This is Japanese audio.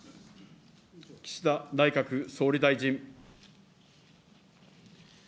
岸田内閣総理大臣。